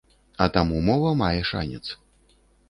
А таму мова мае шанец.